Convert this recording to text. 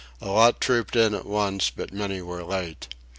A lot trooped in at once but many were late.